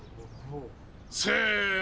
せの。